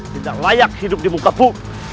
tidak layak hidup di muka buku